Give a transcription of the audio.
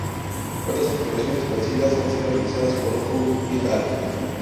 Otras afirmaciones parecidas han sido realizadas por Ho "et al.